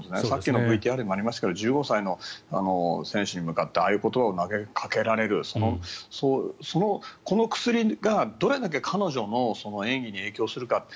さっきのＶＴＲもありましたけど１５歳の選手に向かってああいうことを投げかけられるこの薬がどれだけ彼女の演技に影響するか。